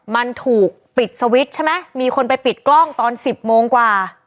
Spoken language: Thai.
มันถูกปิดสวิตช์ใช่ไหมมีคนไปปิดกล้องตอน๑๐โมงกว่า